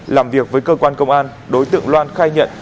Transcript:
làm việc với cơ quan công an đối tượng loan khai nhận